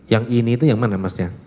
yang ini itu yang mana masnya